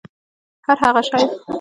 هرهغه شی